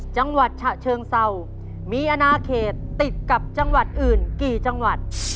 จังหวัดฉะเชิงเศร้ามีอนาเขตติดกับจังหวัดอื่นกี่จังหวัด